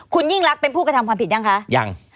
คุณยิ่งรักเป็นผู้กระทำความผิดยังคะยัง